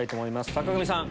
坂上さん